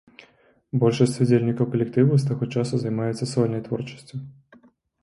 Большасць удзельнікаў калектыву з таго часу займаюцца сольнай творчасцю.